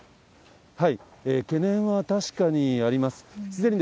懸念は確かにあります。